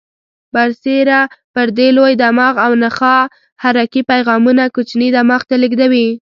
برسیره پر دې لوی دماغ او نخاع حرکي پیغامونه کوچني دماغ ته لېږدوي.